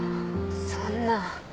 そんな。